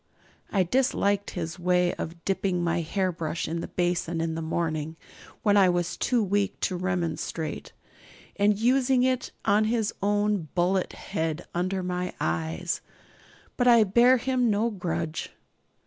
I disliked his way of dipping my hairbrush in the basin in the morning, when I was too weak to remonstrate, and using it on his own bullet head under my eyes; but I bear him no grudge.